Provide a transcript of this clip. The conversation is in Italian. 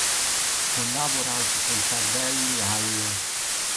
Collabora anche con Tardelli all'.